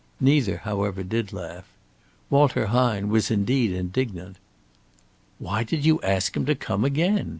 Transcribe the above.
Neither, however, did laugh. Walter Hine was, indeed, indignant. "Why did you ask him to come again?"